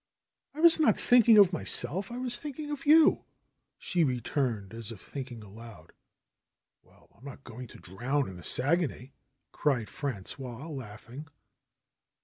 was not thinking of myself. I was thinking of you," she returned, as if thinking aloud. ^'Well, I am not going to drown in the Saguenay!" cried Frangois, laughing.